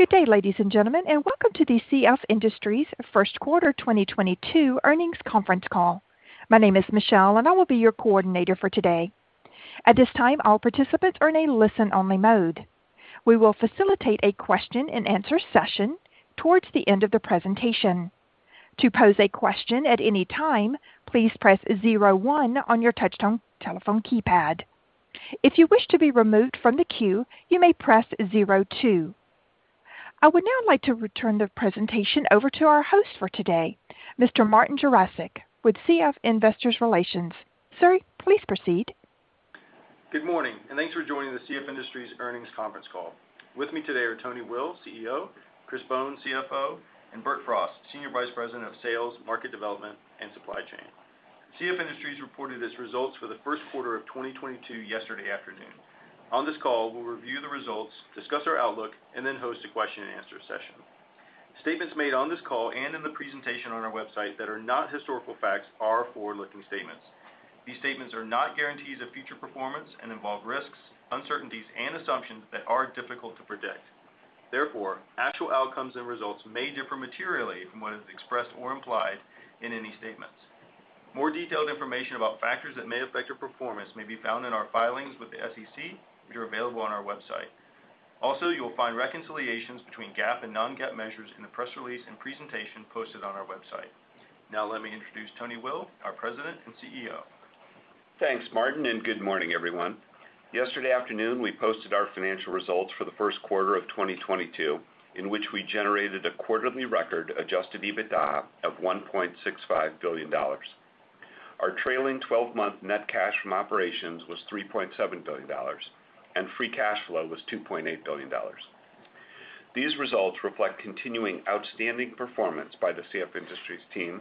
Good day, ladies and gentlemen, and welcome to the CF Industries first quarter 2022 earnings conference call. My name is Michelle, and I will be your coordinator for today. At this time, all participants are in a listen-only mode. We will facilitate a question-and-answer session towards the end of the presentation. To pose a question at any time, please press zero one on your touch-tone telephone keypad. If you wish to be removed from the queue, you may press zero-two. I would now like to turn the presentation over to our host for today, Mr. Martin Jarosik, with CF Industries Investor Relations. Sir, please proceed. Good morning, and thanks for joining the CF Industries earnings conference call. With me today are Tony Will, CEO, Chris Bohn, CFO, and Bert Frost, Senior Vice President of Sales, Market Development, and Supply Chain. CF Industries reported its results for the first quarter of 2022 yesterday afternoon. On this call, we'll review the results, discuss our outlook, and then host a question-and-answer session. Statements made on this call and in the presentation on our website that are not historical facts are forward-looking statements. These statements are not guarantees of future performance and involve risks, uncertainties and assumptions that are difficult to predict. Therefore, actual outcomes and results may differ materially from what is expressed or implied in any statements. More detailed information about factors that may affect your performance may be found in our filings with the SEC, which are available on our website. Also, you will find reconciliations between GAAP and non-GAAP measures in the press release and presentation posted on our website. Now let me introduce Tony Will, our President and CEO. Thanks, Martin, and good morning everyone. Yesterday afternoon, we posted our financial results for the first quarter of 2022, in which we generated a quarterly record adjusted EBITDA of $1.65 billion. Our trailing twelve-month net cash from operations was $3.7 billion, and free cash flow was $2.8 billion. These results reflect continuing outstanding performance by the CF Industries team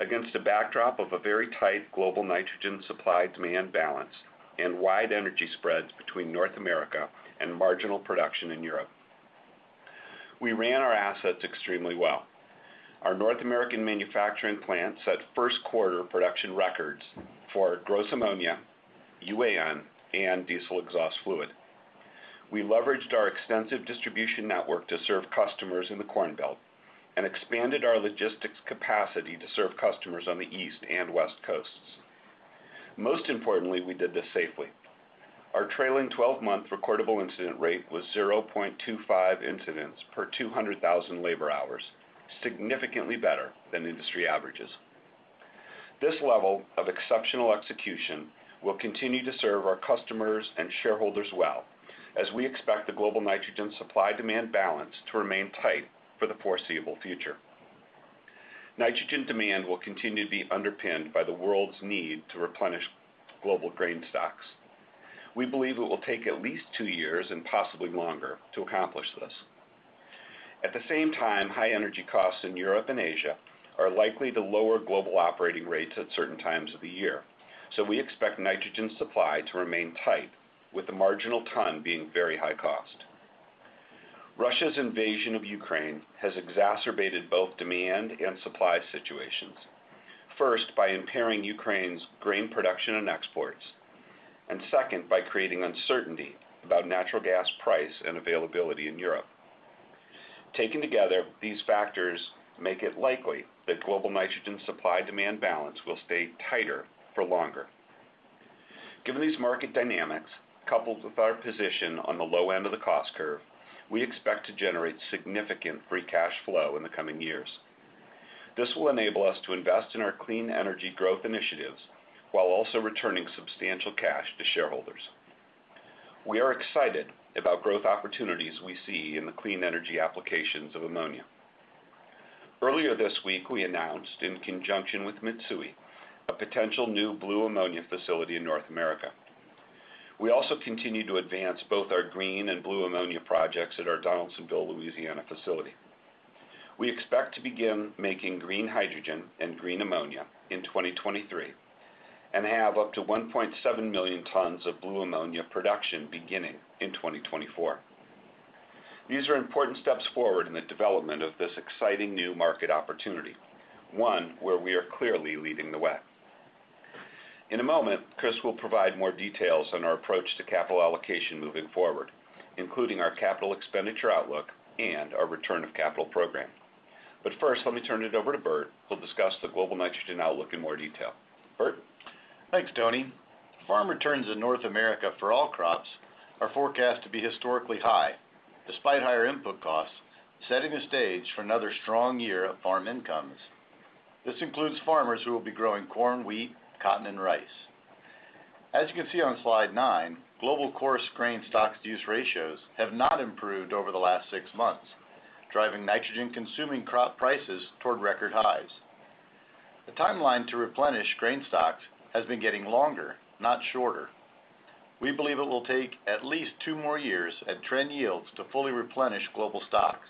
against a backdrop of a very tight global nitrogen supply-demand balance and wide energy spreads between North America and marginal production in Europe. We ran our assets extremely well. Our North American manufacturing plant set first quarter production records for gross ammonia, UAN, and diesel exhaust fluid. We leveraged our extensive distribution network to serve customers in the Corn Belt and expanded our logistics capacity to serve customers on the East and West Coasts. Most importantly, we did this safely. Our trailing twelve-month recordable incident rate was 0.25 incidents per 200,000 labor hours, significantly better than industry averages. This level of exceptional execution will continue to serve our customers and shareholders well as we expect the global nitrogen supply-demand balance to remain tight for the foreseeable future. Nitrogen demand will continue to be underpinned by the world's need to replenish global grain stocks. We believe it will take at least two years, and possibly longer, to accomplish this. At the same time, high energy costs in Europe and Asia are likely to lower global operating rates at certain times of the year, so we expect nitrogen supply to remain tight, with the marginal ton being very high cost. Russia's invasion of Ukraine has exacerbated both demand and supply situations, first, by impairing Ukraine's grain production and exports, and second, by creating uncertainty about natural gas price and availability in Europe. Taken together, these factors make it likely that global nitrogen supply-demand balance will stay tighter for longer. Given these market dynamics, coupled with our position on the low end of the cost curve, we expect to generate significant free cash flow in the coming years. This will enable us to invest in our clean energy growth initiatives while also returning substantial cash to shareholders. We are excited about growth opportunities we see in the clean energy applications of ammonia. Earlier this week, we announced, in conjunction with Mitsui, a potential new blue ammonia facility in North America. We also continue to advance both our green and blue ammonia projects at our Donaldsonville, Louisiana facility. We expect to begin making green hydrogen and green ammonia in 2023 and have up to 1.7 million tons of blue ammonia production beginning in 2024. These are important steps forward in the development of this exciting new market opportunity, one where we are clearly leading the way. In a moment, Chris will provide more details on our approach to capital allocation moving forward, including our capital expenditure outlook and our return of capital program. First, let me turn it over to Bert, who'll discuss the global nitrogen outlook in more detail. Bert? Thanks, Tony. Farm returns in North America for all crops are forecast to be historically high, despite higher input costs, setting the stage for another strong year of farm incomes. This includes farmers who will be growing corn, wheat, cotton and rice. As you can see on slide 9, global coarse grain stocks to use ratios have not improved over the last 6 months, driving nitrogen consuming crop prices toward record highs. The timeline to replenish grain stocks has been getting longer, not shorter. We believe it will take at least 2 more years at trend yields to fully replenish global stocks,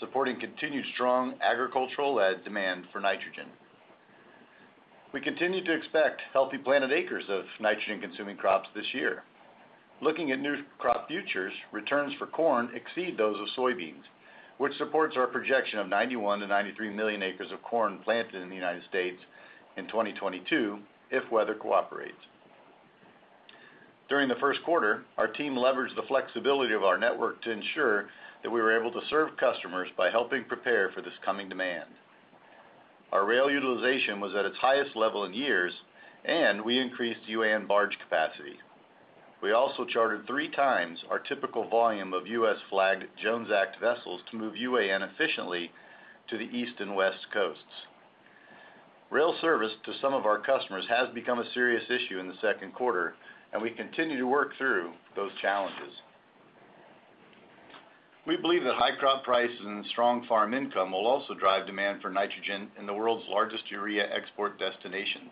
supporting continued strong agricultural led demand for nitrogen. We continue to expect healthy planted acres of nitrogen consuming crops this year. Looking at new crop futures, returns for corn exceed those of soybeans, which supports our projection of 91-93 million acres of corn planted in the United States in 2022 if weather cooperates. During the first quarter, our team leveraged the flexibility of our network to ensure that we were able to serve customers by helping prepare for this coming demand. Our rail utilization was at its highest level in years, and we increased UAN barge capacity. We also chartered 3 times our typical volume of U.S.-flagged Jones Act vessels to move UAN efficiently to the East and West Coasts. Rail service to some of our customers has become a serious issue in the second quarter, and we continue to work through those challenges. We believe that high crop prices and strong farm income will also drive demand for nitrogen in the world's largest urea export destinations.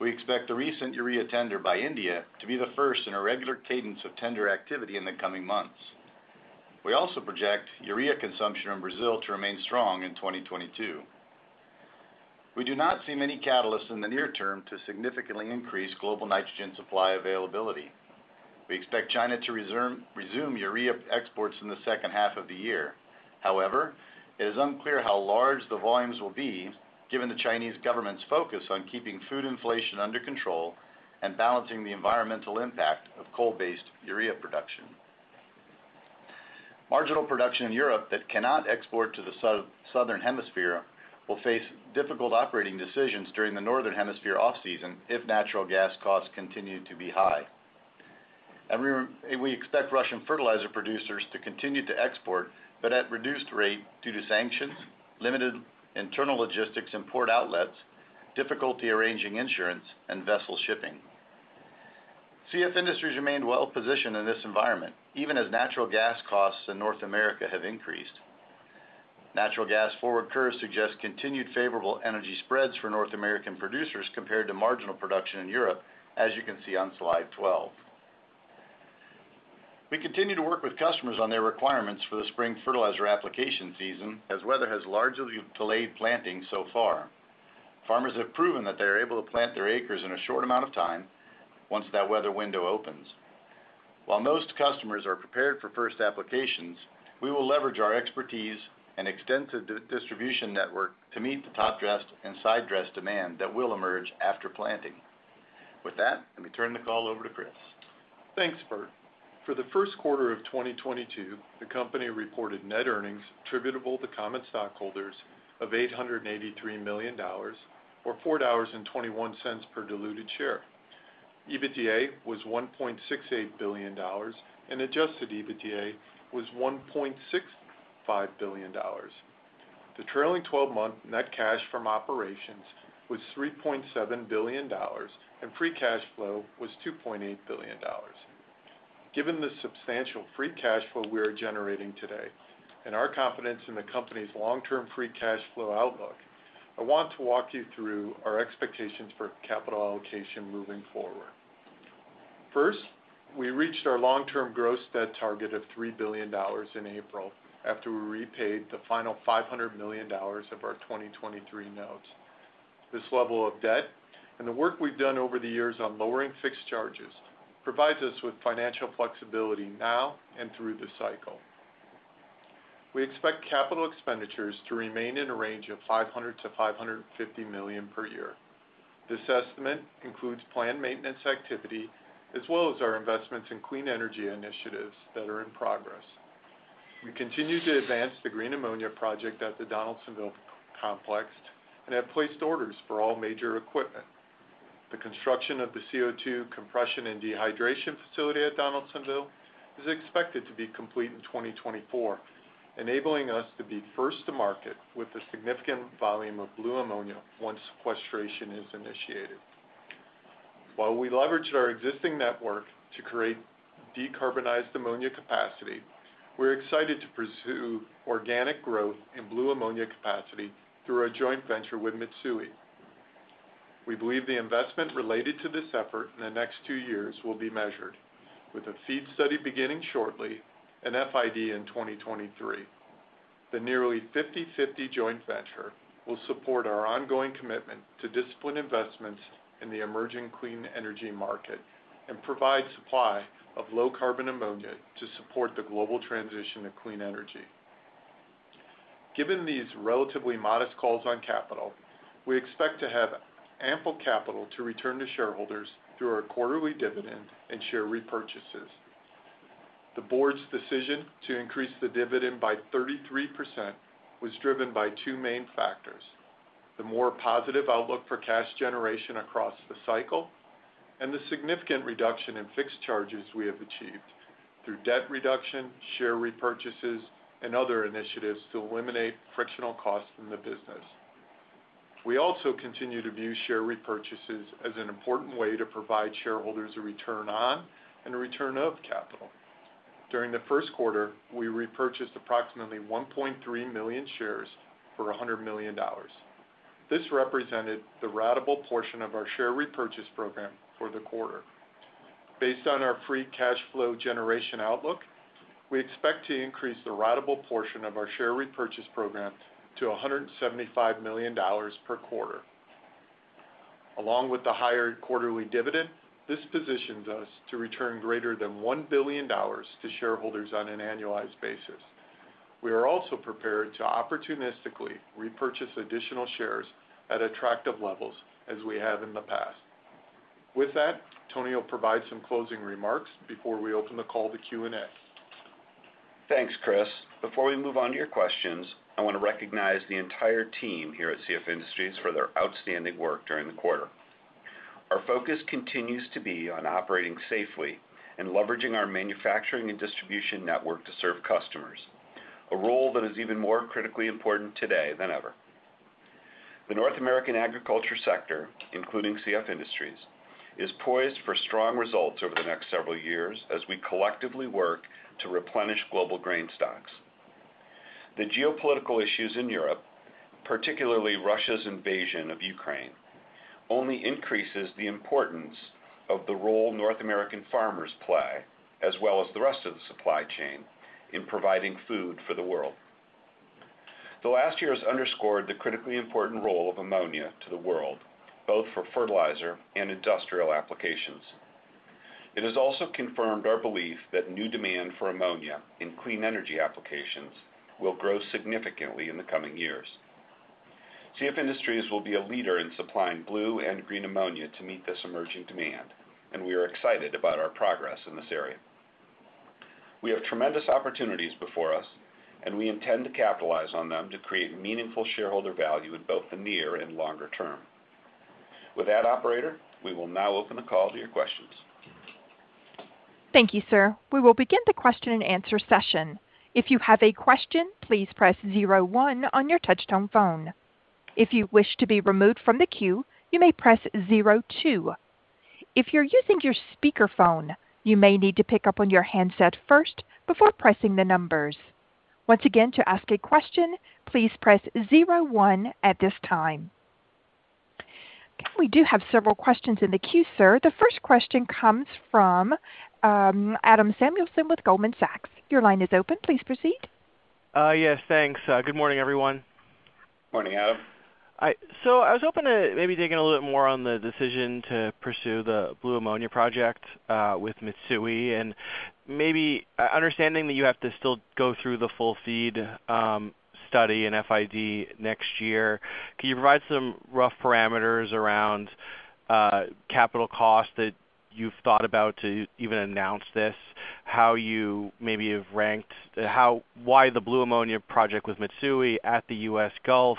We expect the recent urea tender by India to be the first in a regular cadence of tender activity in the coming months. We also project urea consumption in Brazil to remain strong in 2022. We do not see many catalysts in the near term to significantly increase global nitrogen supply availability. We expect China to resume urea exports in the second half of the year. However, it is unclear how large the volumes will be given the Chinese government's focus on keeping food inflation under control and balancing the environmental impact of coal-based urea production. Marginal production in Europe that cannot export to the southern hemisphere will face difficult operating decisions during the northern hemisphere off-season if natural gas costs continue to be high. We expect Russian fertilizer producers to continue to export, but at reduced rate due to sanctions, limited internal logistics and port outlets, difficulty arranging insurance, and vessel shipping. CF Industries remained well positioned in this environment, even as natural gas costs in North America have increased. Natural gas forward curves suggest continued favorable energy spreads for North American producers compared to marginal production in Europe, as you can see on slide 12. We continue to work with customers on their requirements for the spring fertilizer application season, as weather has largely delayed planting so far. Farmers have proven that they are able to plant their acres in a short amount of time once that weather window opens. While most customers are prepared for first applications, we will leverage our expertise and extensive distribution network to meet the top dress and side dress demand that will emerge after planting. With that, let me turn the call over to Chris. Thanks, Bert. For the first quarter of 2022, the company reported net earnings attributable to common stockholders of $883 million or $4.21 per diluted share. EBITDA was $1.68 billion and adjusted EBITDA was $1.65 billion. The trailing twelve-month net cash from operations was $3.7 billion, and free cash flow was $2.8 billion. Given the substantial free cash flow we are generating today and our confidence in the company's long-term free cash flow outlook, I want to walk you through our expectations for capital allocation moving forward. First, we reached our long-term gross debt target of $3 billion in April after we repaid the final $500 million of our 2023 notes. This level of debt and the work we've done over the years on lowering fixed charges provides us with financial flexibility now and through the cycle. We expect capital expenditures to remain in a range of $500 million-$550 million per year. This estimate includes planned maintenance activity, as well as our investments in clean energy initiatives that are in progress. We continue to advance the green ammonia project at the Donaldsonville complex and have placed orders for all major equipment. The construction of the CO2 compression and dehydration facility at Donaldsonville is expected to be complete in 2024, enabling us to be first to market with a significant volume of blue ammonia once sequestration is initiated. While we leveraged our existing network to create decarbonized ammonia capacity, we're excited to pursue organic growth in blue ammonia capacity through our joint venture with Mitsui. We believe the investment related to this effort in the next 2 years will be measured with a FEED study beginning shortly and FID in 2023. The nearly 50/50 joint venture will support our ongoing commitment to disciplined investments in the emerging clean energy market and provide supply of low carbon ammonia to support the global transition to clean energy. Given these relatively modest calls on capital, we expect to have ample capital to return to shareholders through our quarterly dividend and share repurchases. The board's decision to increase the dividend by 33% was driven by two main factors. The more positive outlook for cash generation across the cycle and the significant reduction in fixed charges we have achieved through debt reduction, share repurchases, and other initiatives to eliminate frictional costs from the business. We also continue to view share repurchases as an important way to provide shareholders a return on and a return of capital. During the first quarter, we repurchased approximately 1.3 million shares for $100 million. This represented the ratable portion of our share repurchase program for the quarter. Based on our free cash flow generation outlook, we expect to increase the ratable portion of our share repurchase program to $175 million per quarter. Along with the higher quarterly dividend, this positions us to return greater than $1 billion to shareholders on an annualized basis. We are also prepared to opportunistically repurchase additional shares at attractive levels as we have in the past. With that, Tony will provide some closing remarks before we open the call to Q&A. Thanks, Chris. Before we move on to your questions, I want to recognize the entire team here at CF Industries for their outstanding work during the quarter. Our focus continues to be on operating safely and leveraging our manufacturing and distribution network to serve customers, a role that is even more critically important today than ever. The North American agriculture sector, including CF Industries, is poised for strong results over the next several years as we collectively work to replenish global grain stocks. The geopolitical issues in Europe, particularly Russia's invasion of Ukraine, only increases the importance of the role North American farmers play, as well as the rest of the supply chain in providing food for the world. The last year has underscored the critically important role of ammonia to the world, both for fertilizer and industrial applications. It has also confirmed our belief that new demand for ammonia in clean energy applications will grow significantly in the coming years. CF Industries will be a leader in supplying blue and green ammonia to meet this emerging demand, and we are excited about our progress in this area. We have tremendous opportunities before us, and we intend to capitalize on them to create meaningful shareholder value in both the near and longer term. With that, operator, we will now open the call to your questions. Thank you, sir. We will begin the question and answer session. If you have a question, please press zero one on your touch-tone phone. If you wish to be removed from the queue, you may press zero two. If you're using your speakerphone, you may need to pick up on your handset first before pressing the numbers. Once again, to ask a question, please press zero one at this time. Okay. We do have several questions in the queue, sir. The first question comes from Adam Samuelson with Goldman Sachs. Your line is open. Please proceed. Yes, thanks. Good morning, everyone. Morning, Adam. I was hoping to maybe dig in a little bit more on the decision to pursue the blue ammonia project with Mitsui and maybe understanding that you have to still go through the full FEED study and FID next year. Can you provide some rough parameters around capital costs that you've thought about to even announce this? Why the blue ammonia project with Mitsui at the U.S. Gulf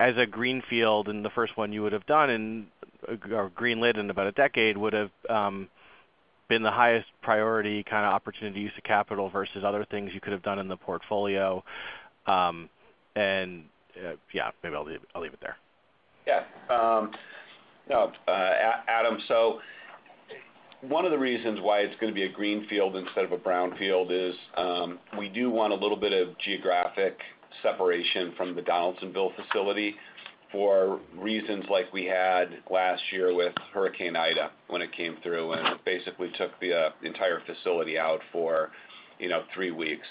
as a greenfield, and the first one you would have done in or greenlit in about a decade would have been the highest priority kind of opportunity use of capital versus other things you could have done in the portfolio. Yeah, maybe I'll leave it there. Yeah. No, Adam. One of the reasons why it's gonna be a greenfield instead of a brownfield is, we do want a little bit of geographic separation from the Donaldsonville facility for reasons like we had last year with Hurricane Ida when it came through and basically took the entire facility out for, you know, three weeks.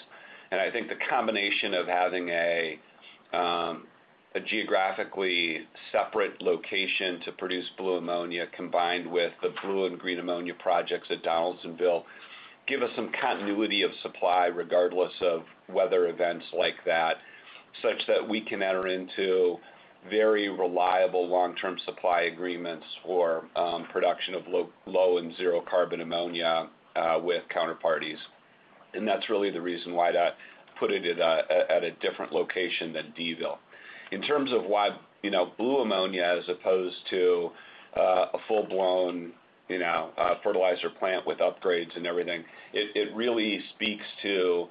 I think the combination of having a geographically separate location to produce blue ammonia, combined with the blue and green ammonia projects at Donaldsonville, give us some continuity of supply, regardless of weather events like that, such that we can enter into very reliable long-term supply agreements for production of low and zero carbon ammonia with counterparties. That's really the reason why that put it at a different location than Donaldsonville. In terms of why, you know, blue ammonia as opposed to a full-blown, you know, fertilizer plant with upgrades and everything, it really speaks to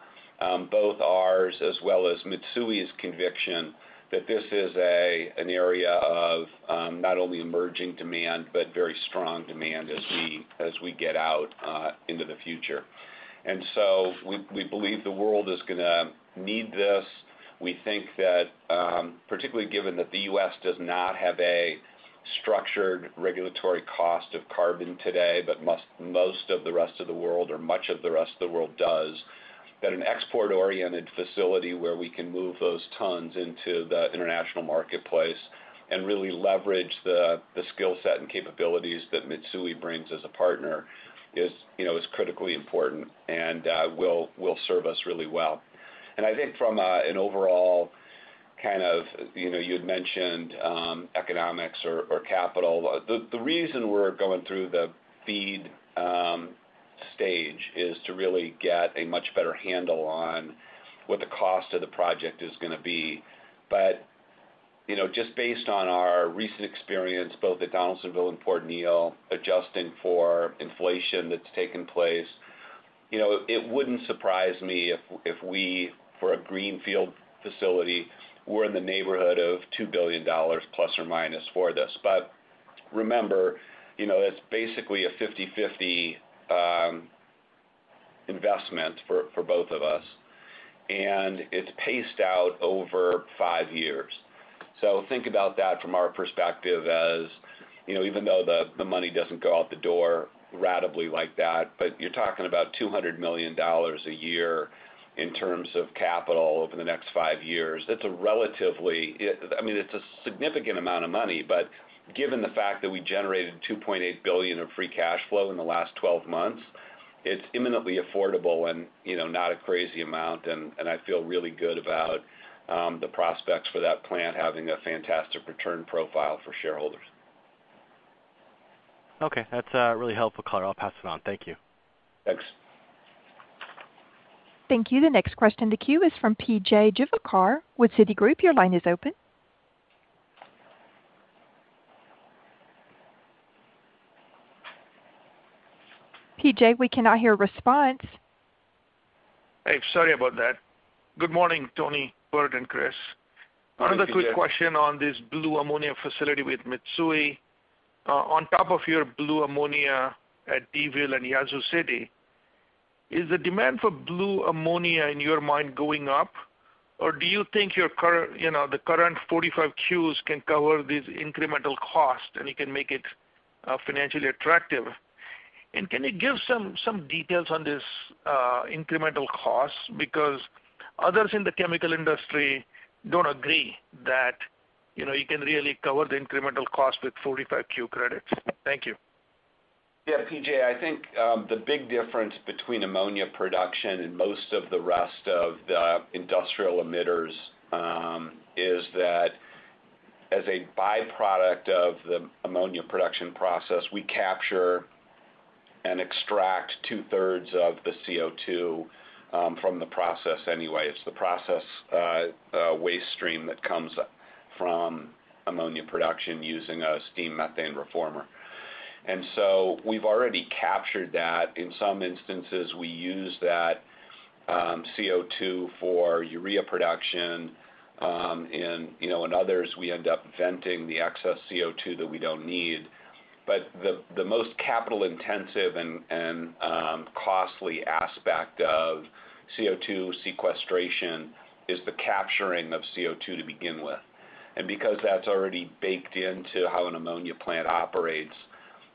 both ours as well as Mitsui's conviction that this is an area of not only emerging demand, but very strong demand as we get out into the future. We believe the world is gonna need this. We think that, particularly given that the U.S. does not have a structured regulatory cost of carbon today, but most of the rest of the world or much of the rest of the world does, that an export-oriented facility where we can move those tons into the international marketplace and really leverage the skill set and capabilities that Mitsui brings as a partner is, you know, is critically important and will serve us really well. I think from an overall, kind of, you know, you had mentioned, economics or capital. The reason we're going through the FEED stage is to really get a much better handle on what the cost of the project is gonna be. You know, just based on our recent experience, both at Donaldsonville and Port Neal, adjusting for inflation that's taken place, you know, it wouldn't surprise me if we, for a greenfield facility, we're in the neighborhood of $2 billion ± for this. Remember, you know, it's basically a 50/50 investment for both of us, and it's paced out over five years. Think about that from our perspective as you know, even though the money doesn't go out the door ratably like that, but you're talking about $200 million a year in terms of capital over the next five years. That's a relatively... I mean, it's a significant amount of money, but given the fact that we generated $2.8 billion of free cash flow in the last 12 months. It's imminently affordable and, you know, not a crazy amount, and I feel really good about the prospects for that plant having a fantastic return profile for shareholders. Okay. That's really helpful, Tony Will. I'll pass it on. Thank you. Thanks. Thank you. The next question in the queue is from P.J. Juvekar with Citigroup. Your line is open. PJ, we cannot hear a response. Hey, sorry about that. Good morning, Tony, Bert, and Chris. Good morning, P.J. Another quick question on this blue ammonia facility with Mitsui. On top of your blue ammonia at Donaldsonville and Yazoo City, is the demand for blue ammonia in your mind going up, or do you think your current—you know, the current 45Qs can cover this incremental cost, and you can make it financially attractive? Can you give some details on this incremental cost because others in the chemical industry don't agree that, you know, you can really cover the incremental cost with 45Q credits. Thank you. Yeah, P.J., I think the big difference between ammonia production and most of the rest of the industrial emitters is that as a byproduct of the ammonia production process, we capture and extract two-thirds of the CO2 from the process anyway. It's the process waste stream that comes from ammonia production using a steam methane reformer. We've already captured that. In some instances, we use that CO2 for urea production. And you know, in others we end up venting the excess CO2 that we don't need. The most capital intensive and costly aspect of CO2 sequestration is the capturing of CO2 to begin with. Because that's already baked into how an ammonia plant operates,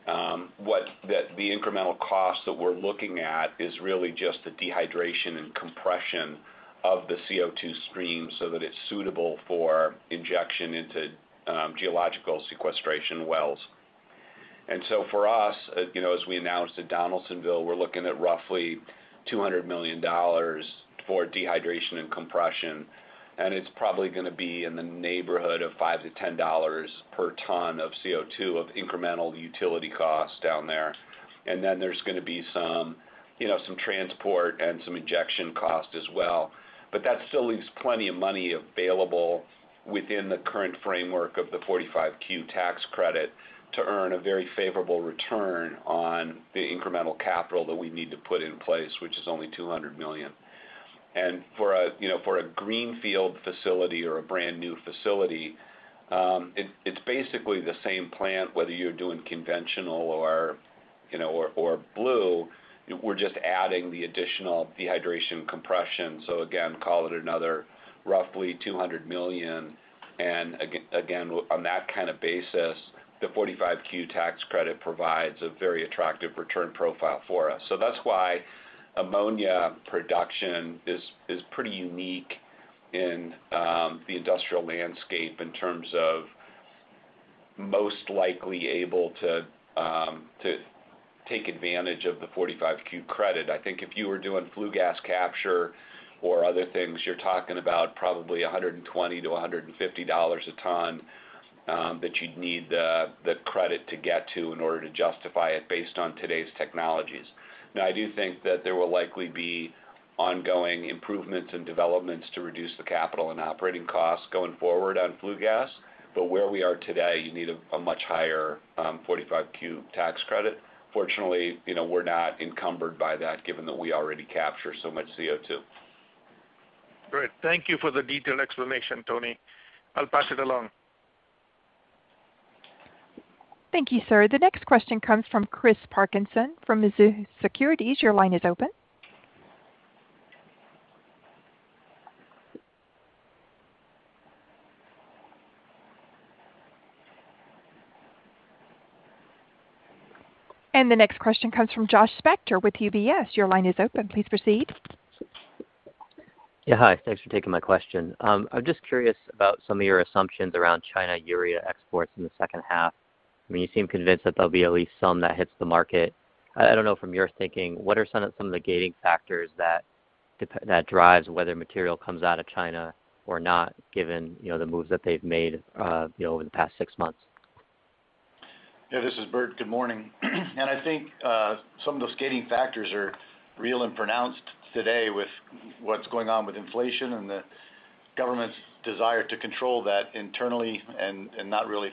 the incremental cost that we're looking at is really just the dehydration and compression of the CO2 stream so that it's suitable for injection into geological sequestration wells. For us, you know, as we announced at Donaldsonville, we're looking at roughly $200 million for dehydration and compression, and it's probably gonna be in the neighborhood of $5-$10 per ton of CO2 of incremental utility costs down there. Then there's gonna be some, you know, some transport and some injection cost as well. That still leaves plenty of money available within the current framework of the 45Q tax credit to earn a very favorable return on the incremental capital that we need to put in place, which is only $200 million. For a greenfield facility or a brand-new facility, you know, it's basically the same plant, whether you're doing conventional or, you know, blue. We're just adding the additional dehydration compression. Again, call it another roughly $200 million. Again, on that kind of basis, the 45Q tax credit provides a very attractive return profile for us. That's why ammonia production is pretty unique in the industrial landscape in terms of most likely able to take advantage of the 45Q credit. I think if you were doing flue gas capture or other things, you're talking about probably $120-$150 a ton that you'd need the credit to get to in order to justify it based on today's technologies. Now, I do think that there will likely be ongoing improvements and developments to reduce the capital and operating costs going forward on flue gas. Where we are today, you need a much higher 45Q tax credit. Fortunately, you know, we're not encumbered by that given that we already capture so much CO2. Great. Thank you for the detailed explanation, Tony. I'll pass it along. Thank you, sir. The next question comes from Christopher Parkinson from Mizuho Securities. Your line is open. The next question comes from Joshua Spector with UBS. Your line is open. Please proceed. Yeah, hi. Thanks for taking my question. I'm just curious about some of your assumptions around China urea exports in the second half. I mean, you seem convinced that there'll be at least some that hits the market. I don't know from your thinking, what are some of the gating factors that drives whether material comes out of China or not, given, you know, the moves that they've made, you know, over the past six months? Yeah, this is Bert. Good morning. I think some of those gating factors are real and pronounced today with what's going on with inflation and the government's desire to control that internally and not really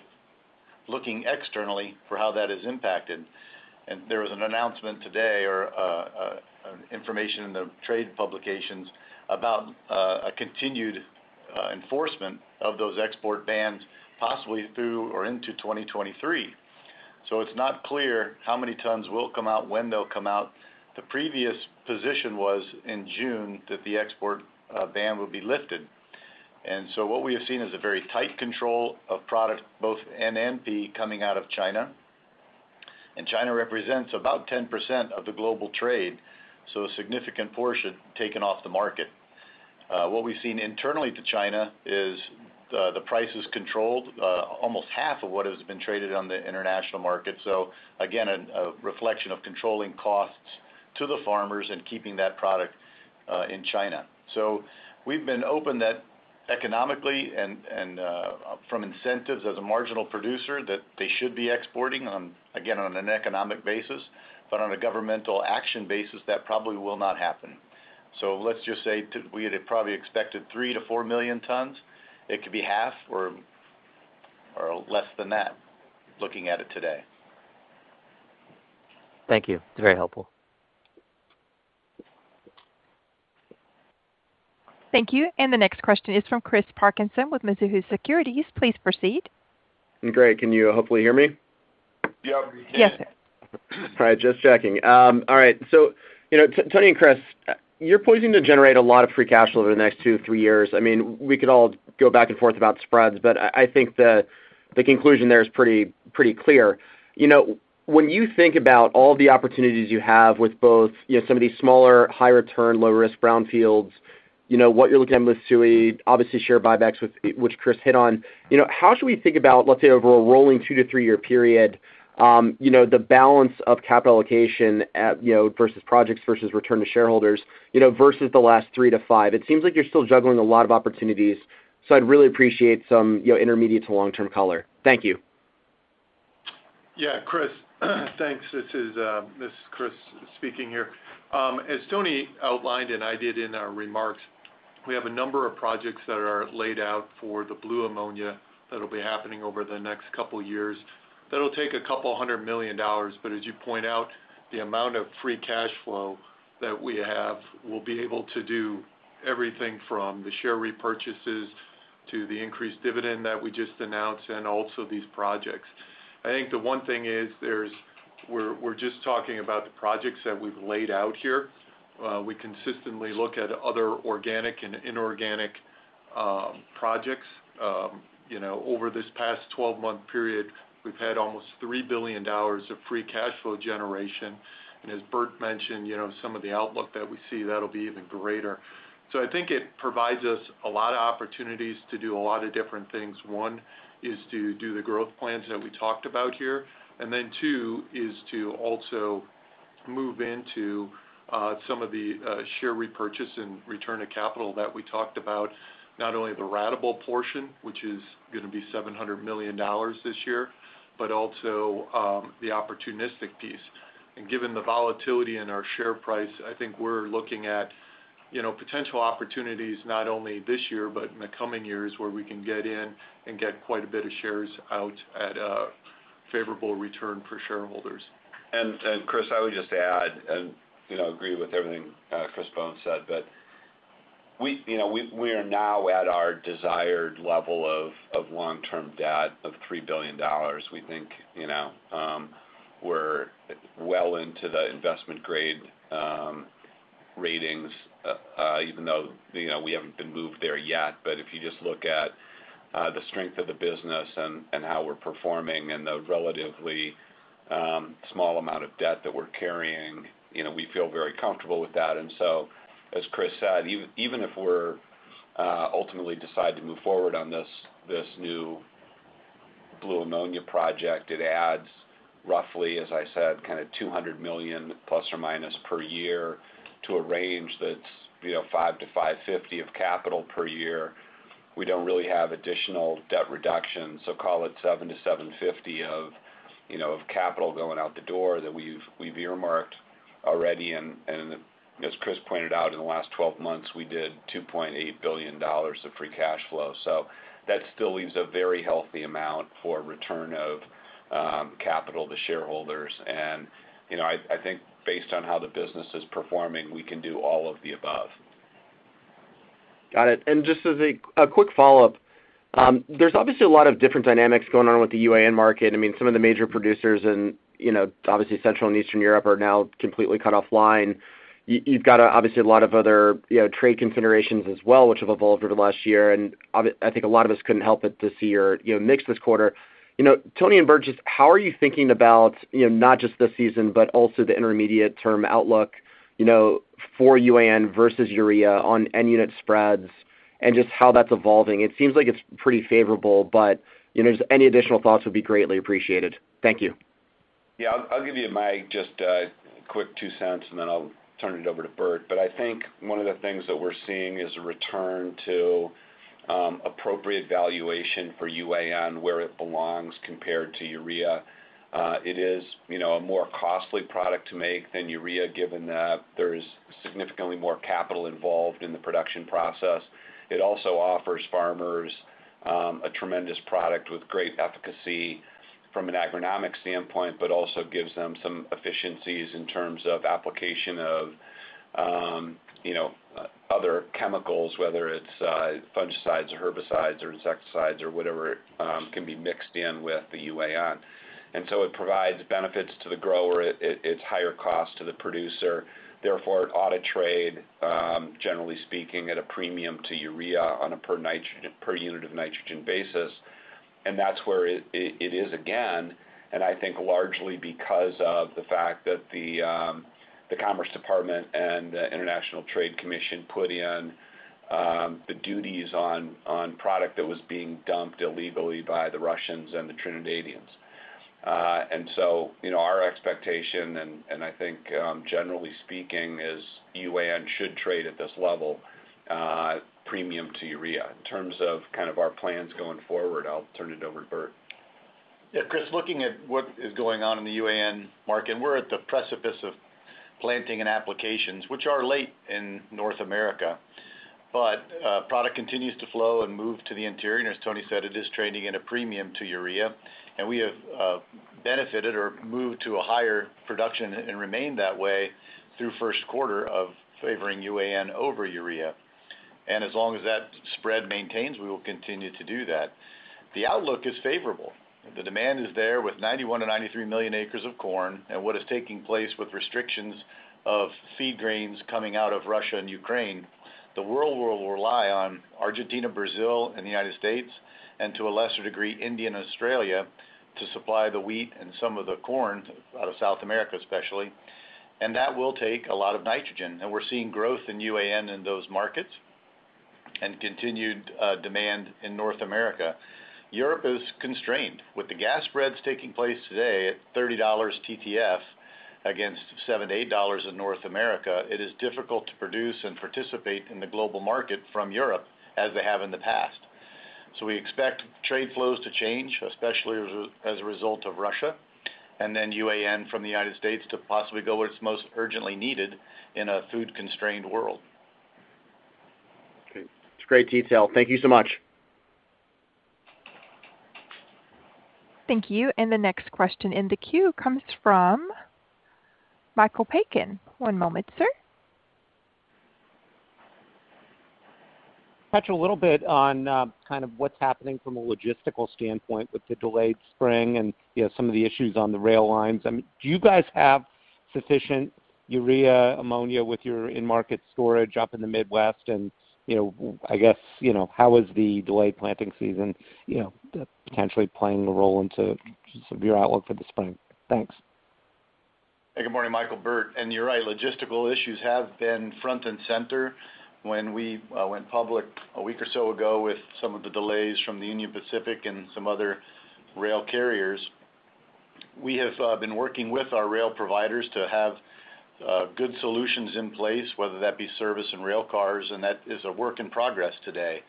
looking externally for how that is impacted. There was an announcement today or information in the trade publications about a continued enforcement of those export bans possibly through or into 2023. It's not clear how many tons will come out, when they'll come out. The previous position was in June that the export ban would be lifted. What we have seen is a very tight control of product, both N&P coming out of China. China represents about 10% of the global trade, so a significant portion taken off the market. What we've seen internally to China is the price is controlled almost half of what has been traded on the international market. Again, a reflection of controlling costs to the farmers and keeping that product in China. We've been open that economically and from incentives as a marginal producer that they should be exporting on, again, on an economic basis. On a governmental action basis, that probably will not happen. Let's just say we had probably expected 3-4 million tons. It could be half or less than that looking at it today. Thank you. It's very helpful. Thank you. The next question is from Christopher Parkinson with Mizuho Securities. Please proceed. Great. Can you hopefully hear me? Yeah, we can. Yes. All right, just checking. All right. You know, Tony and Chris, you're poised to generate a lot of free cash flow over the next 2-3 years. I mean, we could all go back and forth about spreads, but I think the conclusion there is pretty clear. You know, when you think about all the opportunities you have with both, you know, some of these smaller, high-return, low-risk brownfields, you know, what you're looking at with Mitsui, obviously share buybacks, which Chris hit on. You know, how should we think about, let's say, over a rolling 2-3-year period, you know, the balance of capital allocation, you know, versus projects versus return to shareholders, you know, versus the last 3-5? It seems like you're still juggling a lot of opportunities, so I'd really appreciate some, you know, intermediate to long-term color. Thank you. Yeah, Chris. Thanks. This is Chris speaking here. As Tony outlined, and I did in our remarks, we have a number of projects that are laid out for the blue ammonia that'll be happening over the next couple years. That'll take $200 million. As you point out, the amount of free cash flow that we have, we'll be able to do everything from the share repurchases to the increased dividend that we just announced and also these projects. I think the one thing is we're just talking about the projects that we've laid out here. We consistently look at other organic and inorganic projects. You know, over this past 12-month period, we've had almost $3 billion of free cash flow generation. As Bert mentioned, you know, some of the outlook that we see, that'll be even greater. I think it provides us a lot of opportunities to do a lot of different things. One is to do the growth plans that we talked about here. Two is to also move into some of the share repurchase and return of capital that we talked about, not only the ratable portion, which is gonna be $700 million this year, but also the opportunistic piece. Given the volatility in our share price, I think we're looking at, you know, potential opportunities not only this year, but in the coming years where we can get in and get quite a bit of shares out at a favorable return for shareholders. Chris, I would just add and agree with everything Chris Bohn said, but we are now at our desired level of long-term debt of $3 billion. We think, you know, we're well into the investment-grade ratings even though, you know, we haven't been moved there yet. If you just look at the strength of the business and how we're performing and the relatively small amount of debt that we're carrying, you know, we feel very comfortable with that. As Chris said, even if we're ultimately decide to move forward on this new blue ammonia project, it adds roughly, as I said, kinda $200 million plus or minus per year to a range that's, you know, $500 million-$550 million of capital per year. We don't really have additional debt reduction, so call it $700 million-$750 million of, you know, capital going out the door that we've earmarked already. As Chris pointed out, in the last 12 months, we did $2.8 billion of free cash flow. That still leaves a very healthy amount for return of capital to shareholders. You know, I think based on how the business is performing, we can do all of the above. Got it. Just as a quick follow-up, there's obviously a lot of different dynamics going on with the UAN market. I mean, some of the major producers in, you know, obviously Central and Eastern Europe are now completely cut offline. You've got, obviously, a lot of other, you know, trade considerations as well, which have evolved over the last year. I think a lot of us couldn't help but to see your, you know, mix this quarter. You know, Tony Will and Bert Frost, how are you thinking about, you know, not just this season, but also the intermediate-term outlook, you know, for UAN versus urea on N-unit spreads and just how that's evolving? It seems like it's pretty favorable, but, you know, just any additional thoughts would be greatly appreciated. Thank you. Yeah. I'll give you my just quick two cents, and then I'll turn it over to Bert. I think one of the things that we're seeing is a return to appropriate valuation for UAN where it belongs compared to urea. It is, you know, a more costly product to make than urea, given that there's significantly more capital involved in the production process. It also offers farmers a tremendous product with great efficacy from an agronomic standpoint, but also gives them some efficiencies in terms of application of, you know, other chemicals, whether it's fungicides or herbicides or insecticides or whatever, can be mixed in with the UAN. It provides benefits to the grower. It's higher cost to the producer. Therefore, it ought to trade, generally speaking, at a premium to urea on a per unit of nitrogen basis. That's where it is again, and I think largely because of the fact that the Commerce Department and the International Trade Commission put in the duties on product that was being dumped illegally by the Russians and the Trinidadians. You know, our expectation and I think generally speaking is UAN should trade at this level premium to urea. In terms of kind of our plans going forward, I'll turn it over to Bert. Yeah, Chris, looking at what is going on in the UAN market, we're at the precipice of planting and applications, which are late in North America. Product continues to flow and move to the interior. As Tony said, it is trading at a premium to urea. We have benefited or moved to a higher production and remained that way through first quarter of favoring UAN over urea. As long as that spread maintains, we will continue to do that. The outlook is favorable. The demand is there with 91-93 million acres of corn. What is taking place with restrictions of feed grains coming out of Russia and Ukraine, the world will rely on Argentina, Brazil, and the United States, and to a lesser degree, India and Australia, to supply the wheat and some of the corn out of South America, especially. That will take a lot of nitrogen. We're seeing growth in UAN in those markets and continued demand in North America. Europe is constrained. With the gas spreads taking place today at $30 TTF against $7-$8 in North America, it is difficult to produce and participate in the global market from Europe as they have in the past. We expect trade flows to change, especially as a result of Russia, and then UAN from the United States to possibly go where it's most urgently needed in a food-constrained world. Okay. It's great detail. Thank you so much. Thank you. The next question in the queue comes from Michael Piken. One moment, sir. Touch a little bit on kind of what's happening from a logistical standpoint with delayed spring and, you know, some of the issues on the rail lines. I mean, do you guys have sufficient UAN with your in-market storage up in the Midwest? You know, I guess, you know, how is the delayed planting season, you know, potentially playing a role into sort of your outlook for the spring? Thanks. Hey, good morning, Michael. Bert. You're right, logistical issues have been front and center when we went public a week or so ago with some of the delays from the Union Pacific and some other rail carriers. We have been working with our rail providers to have good solutions in place, whether that be service and rail cars, and that is a work in progress today.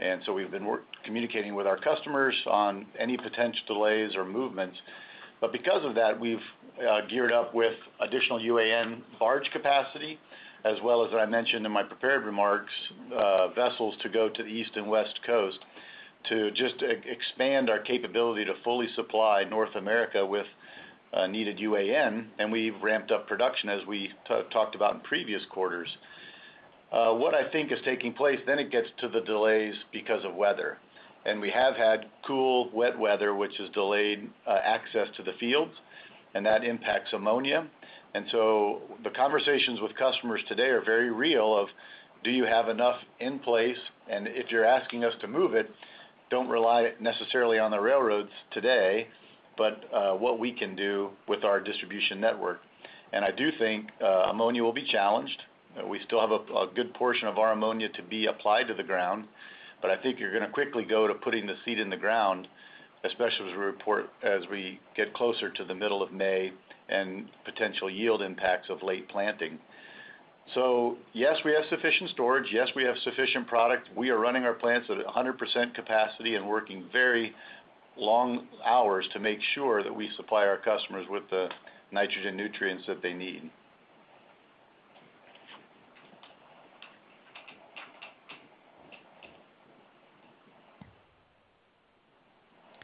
We've been communicating with our customers on any potential delays or movements. Because of that, we've geared up with additional UAN barge capacity, as well as I mentioned in my prepared remarks, vessels to go to the East and West Coast to just expand our capability to fully supply North America with needed UAN. We've ramped up production as we talked about in previous quarters. What I think is taking place, it gets to the delays because of weather. We have had cool wet weather, which has delayed access to the fields, and that impacts ammonia. The conversations with customers today are very real of, do you have enough in place? If you're asking us to move it, don't rely necessarily on the railroads today, but what we can do with our distribution network. I do think ammonia will be challenged. We still have a good portion of our ammonia to be applied to the ground. I think you're gonna quickly go to putting the seed in the ground, especially as we get closer to the middle of May and potential yield impacts of late planting. Yes, we have sufficient storage. Yes, we have sufficient product. We are running our plants at 100% capacity and working very long hours to make sure that we supply our customers with the nitrogen nutrients that they need.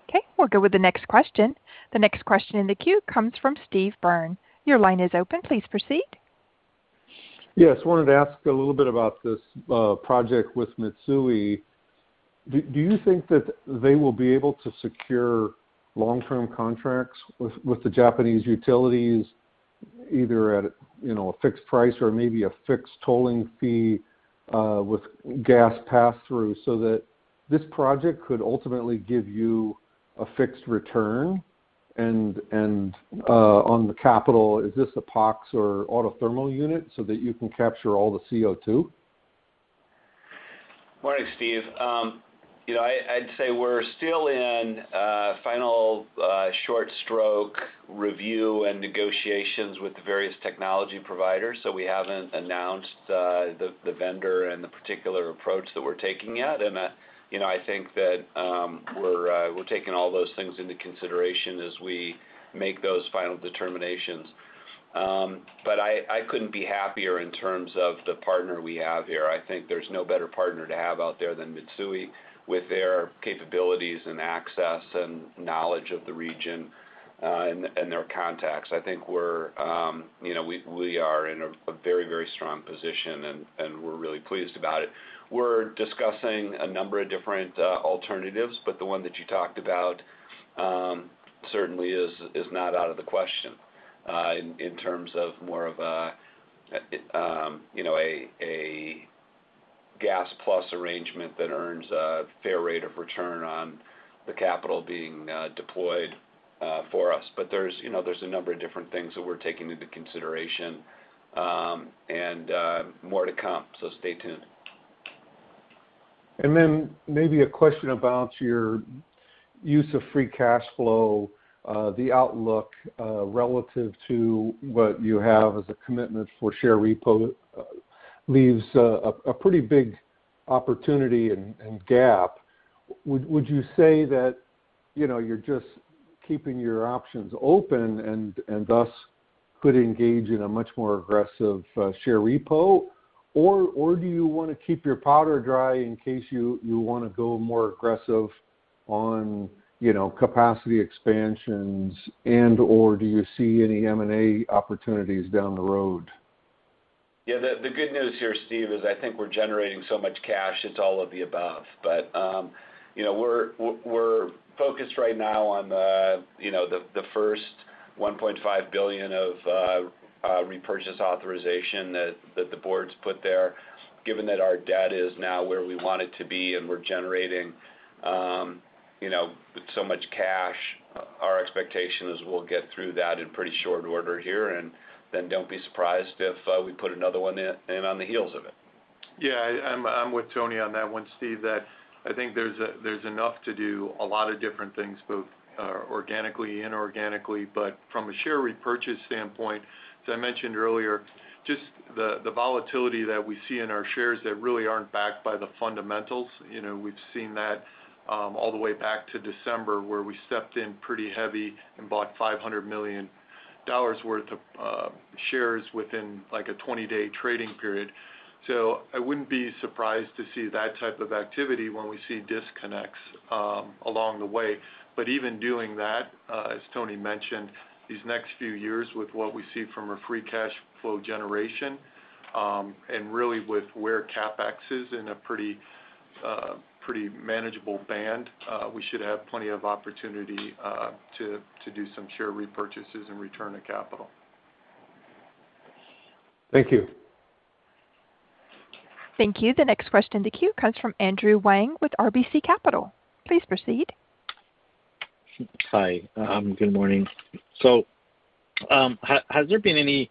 Okay. We'll go with the next question. The next question in the queue comes from Steve Byrne. Your line is open. Please proceed. Yes. Wanted to ask a little bit about this project with Mitsui. Do you think that they will be able to secure long-term contracts with the Japanese utilities, either at, you know, a fixed price or maybe a fixed tolling fee, with gas pass-through so that this project could ultimately give you a fixed return? On the capital, is this a POX or autothermal unit so that you can capture all the CO2? Morning, Steve. You know, I'd say we're still in final short stroke review and negotiations with the various technology providers. We haven't announced the vendor and the particular approach that we're taking yet. You know, I think that we're taking all those things into consideration as we make those final determinations. I couldn't be happier in terms of the partner we have here. I think there's no better partner to have out there than Mitsui with their capabilities and access and knowledge of the region and their contacts. I think you know we are in a very, very strong position, and we're really pleased about it. We're discussing a number of different alternatives, but the one that you talked about Certainly is not out of the question, in terms of more of a, you know, a gas plus arrangement that earns a fair rate of return on the capital being deployed, for us. There's, you know, a number of different things that we're taking into consideration, and more to come. Stay tuned. Maybe a question about your use of free cash flow, the outlook, relative to what you have as a commitment for share repo, leaves a pretty big opportunity and gap. Would you say that, you know, you're just keeping your options open and thus could engage in a much more aggressive share repo? Or do you wanna keep your powder dry in case you wanna go more aggressive on, you know, capacity expansions, and/or do you see any M&A opportunities down the road? Yeah. The good news here, Steve, is I think we're generating so much cash, it's all of the above. You know, we're focused right now on the first $1.5 billion of repurchase authorization that the board's put there. Given that our debt is now where we want it to be, and we're generating so much cash, our expectation is we'll get through that in pretty short order here. Then don't be surprised if we put another one in on the heels of it. Yeah. I'm with Tony on that one, Steve, that I think there's enough to do a lot of different things, both organically and inorganically. But from a share repurchase standpoint, as I mentioned earlier, just the volatility that we see in our shares that really aren't backed by the fundamentals, you know, we've seen that all the way back to December, where we stepped in pretty heavy and bought $500 million worth of shares within, like, a 20-day trading period. I wouldn't be surprised to see that type of activity when we see disconnects along the way. Even doing that, as Tony mentioned, these next few years with what we see from a free cash flow generation, and really with where CapEx is in a pretty manageable band, we should have plenty of opportunity to do some share repurchases and return to capital. Thank you. Thank you. The next question in the queue comes from Andrew Wong with RBC Capital. Please proceed. Hi. Good morning. Has there been any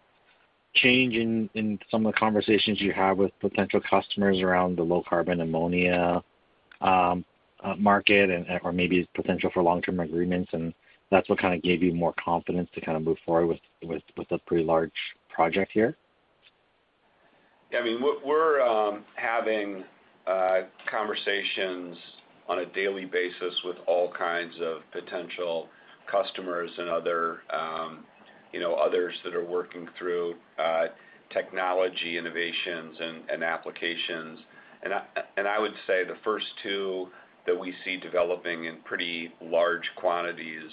change in some of the conversations you have with potential customers around the low carbon ammonia market and or maybe potential for long-term agreements, and that's what kinda gave you more confidence to kinda move forward with a pretty large project here? Yeah. I mean, we're having conversations on a daily basis with all kinds of potential customers and other, you know, others that are working through technology innovations and applications. I would say the first two that we see developing in pretty large quantities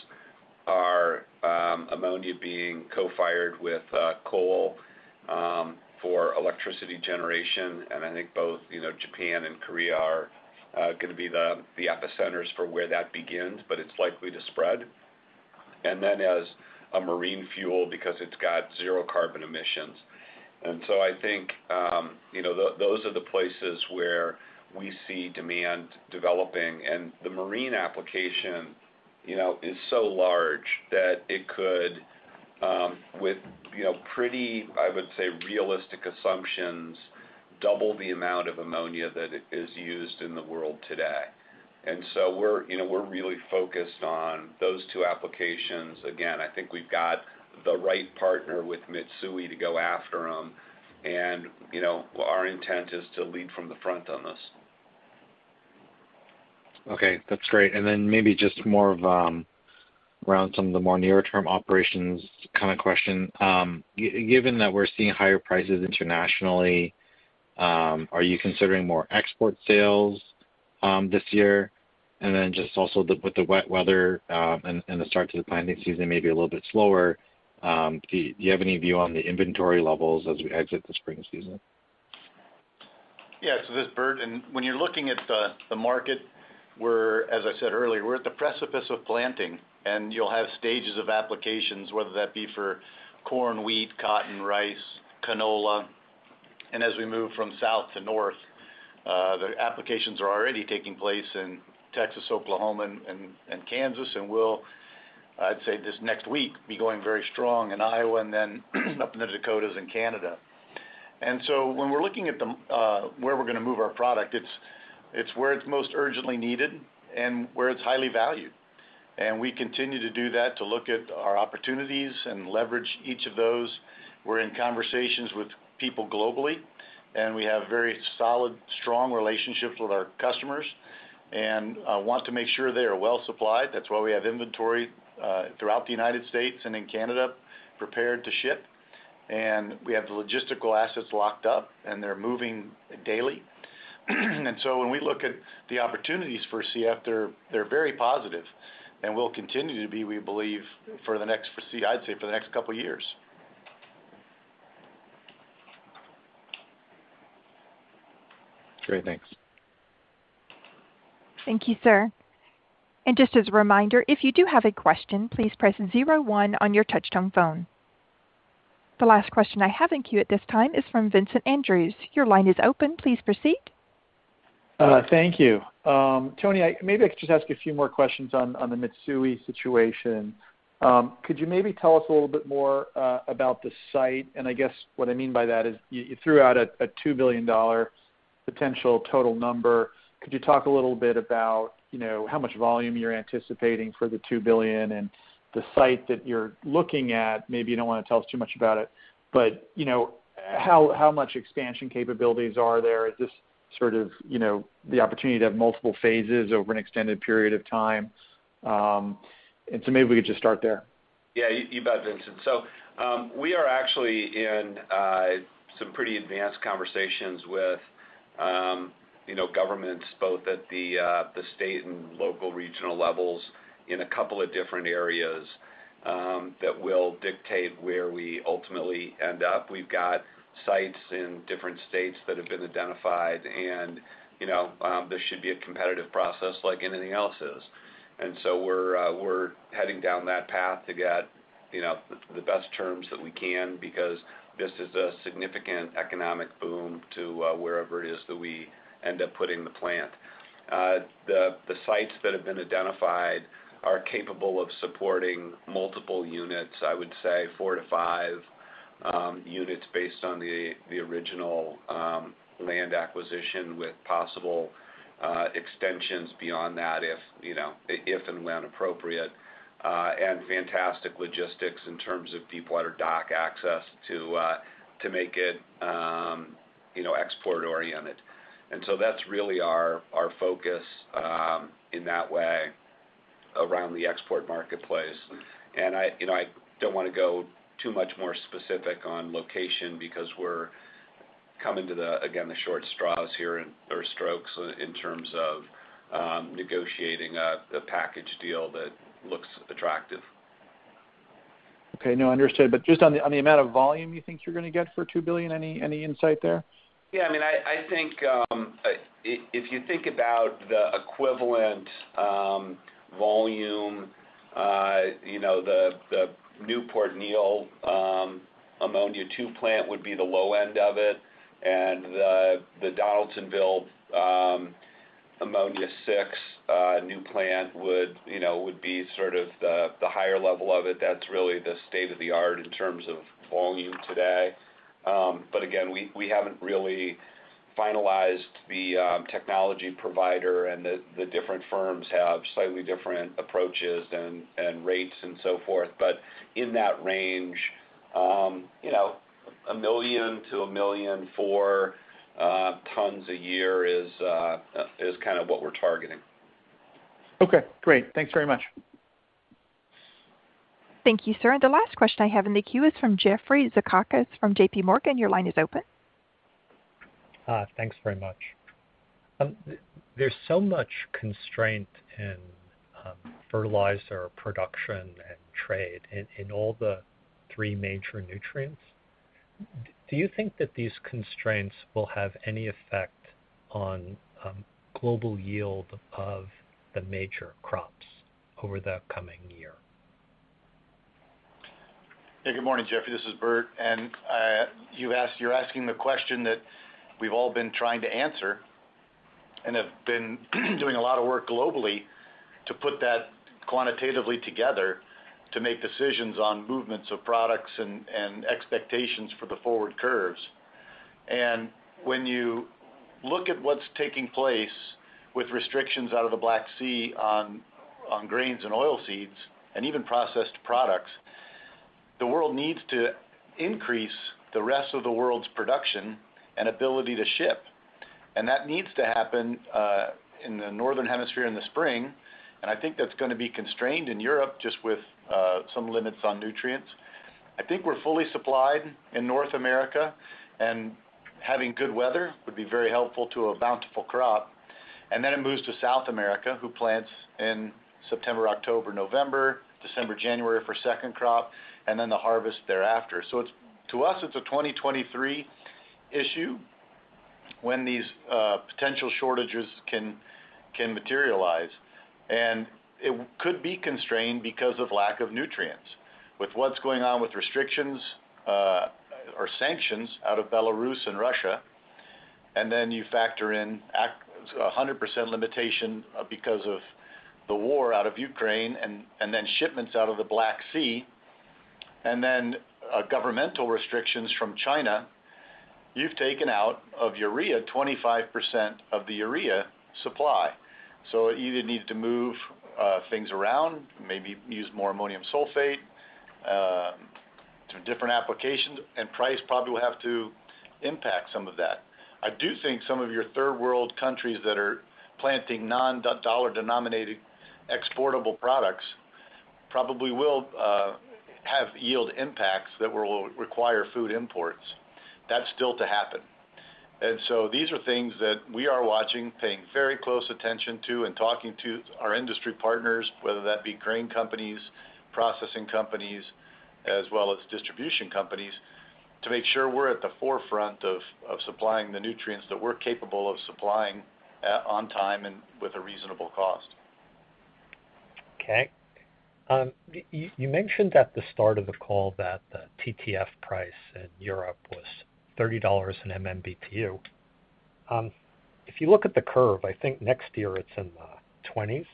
are ammonia being co-fired with coal for electricity generation. I think both, you know, Japan and Korea are gonna be the epicenters for where that begins, but it's likely to spread. As a marine fuel because it's got zero carbon emissions. I think, you know, those are the places where we see demand developing. The marine application, you know, is so large that it could, with, you know, pretty, I would say, realistic assumptions, double the amount of ammonia that is used in the world today. We're, you know, really focused on those two applications. Again, I think we've got the right partner with Mitsui to go after them. You know, our intent is to lead from the front on this. Okay. That's great. Maybe just more of around some of the more near-term operations kind of question. Given that we're seeing higher prices internationally, are you considering more export sales this year? Just also with the wet weather, and the start to the planting season maybe a little bit slower, do you have any view on the inventory levels as we exit the spring season? Yeah. This is Bert. When you're looking at the market, we're at the precipice of planting, and you'll have stages of applications, whether that be for corn, wheat, cotton, rice, canola. As we move from south to north, the applications are already taking place in Texas, Oklahoma, and Kansas. Will, I'd say this next week, be going very strong in Iowa and then up in the Dakotas and Canada. When we're looking at the where we're gonna move our product, it's where it's most urgently needed and where it's highly valued. We continue to do that to look at our opportunities and leverage each of those. We're in conversations with people globally, and we have very solid, strong relationships with our customers. Want to make sure they are well supplied. That's why we have inventory throughout the United States and in Canada prepared to ship. We have the logistical assets locked up, and they're moving daily. When we look at the opportunities for CF, they're very positive and will continue to be, we believe. I'd say for the next couple of years. Great. Thanks. Thank you, sir. Just as a reminder, if you do have a question, please press zero one on your touchtone phone. The last question I have in queue at this time is from Vincent Andrews. Your line is open. Please proceed. Thank you. Tony, maybe I could just ask you a few more questions on the Mitsui situation. Could you maybe tell us a little bit more about the site? I guess what I mean by that is you threw out a $2 billion potential total number. Could you talk a little bit about, you know, how much volume you're anticipating for the $2 billion and the site that you're looking at? Maybe you don't wanna tell us too much about it, but, you know, how much expansion capabilities are there? Is this sort of, you know, the opportunity to have multiple phases over an extended period of time? Maybe we could just start there. Yeah, you bet, Vincent. We are actually in some pretty advanced conversations with, you know, governments both at the state and local regional levels in a couple of different areas that will dictate where we ultimately end up. We've got sites in different states that have been identified, and, you know, this should be a competitive process like anything else is. We're heading down that path to get, you know, the best terms that we can because this is a significant economic boom to wherever it is that we end up putting the plant. The sites that have been identified are capable of supporting multiple units, I would say 4-5 units based on the original land acquisition with possible extensions beyond that if, you know, if and when appropriate, and fantastic logistics in terms of deep water dock access to make it, you know, export oriented. That's really our focus in that way around the export marketplace. I, you know, don't wanna go too much more specific on location because we're coming to the short strokes here in terms of negotiating a package deal that looks attractive. Okay. No, understood. Just on the amount of volume you think you're gonna get for $2 billion, any insight there? Yeah. I mean, I think, if you think about the equivalent volume, you know, the Port Neal Ammonia 2 plant would be the low end of it, and the Donaldsonville Ammonia 6 new plant would be sort of the higher level of it. That's really the state-of-the-art in terms of volume today. Again, we haven't really finalized the technology provider and the different firms have slightly different approaches and rates and so forth. In that range, you know, 1 million-1 million tons a year is kind of what we're targeting. Okay, great. Thanks very much. Thank you, sir. The last question I have in the queue is from Jeff Zekauskas from J.P. Morgan. Your line is open. Thanks very much. There's so much constraint in fertilizer production and trade in all the three major nutrients. Do you think that these constraints will have any effect on global yield of the major crops over the coming year? Yeah. Good morning, Jeff Zekauskas. This is Bert Frost. You're asking the question that we've all been trying to answer and have been doing a lot of work globally to put that quantitatively together to make decisions on movements of products and expectations for the forward curves. When you look at what's taking place with restrictions out of the Black Sea on grains and oilseeds and even processed products, the world needs to increase the rest of the world's production and ability to ship. That needs to happen in the northern hemisphere in the spring, and I think that's gonna be constrained in Europe just with some limits on nutrients. I think we're fully supplied in North America, and having good weather would be very helpful to a bountiful crop. It moves to South America, who plants in September, October, November, December, January for second crop, and then the harvest thereafter. It's to us, it's a 2023 issue when these potential shortages can materialize. It could be constrained because of lack of nutrients. With what's going on with restrictions or sanctions out of Belarus and Russia, and then you factor in a 100% limitation because of the war out of Ukraine and then shipments out of the Black Sea, and then governmental restrictions from China, you've taken out of urea 25% of the urea supply. You either need to move things around, maybe use more ammonium sulfate to different applications, and price probably will have to impact some of that. I do think some of your third world countries that are planting non-dollar denominated exportable products probably will have yield impacts that will require food imports. That's still to happen. These are things that we are watching, paying very close attention to and talking to our industry partners, whether that be grain companies, processing companies, as well as distribution companies, to make sure we're at the forefront of supplying the nutrients that we're capable of supplying on time and with a reasonable cost. You mentioned at the start of the call that the TTF price in Europe was $30/MMBtu. If you look at the curve, I think next year it's in the 20s.